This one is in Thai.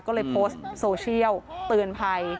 ก็เลยโพสต์โซเชียลเตือนภัย